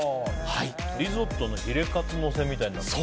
リゾットのヒレカツのせみたいになってる。